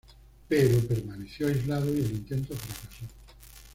Pero permaneció aislado y el intento fracasó.